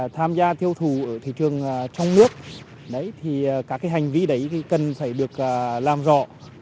tham gia tiêu thụ ở thị trường trong nước các hành vi đấy cần phải được làm rõ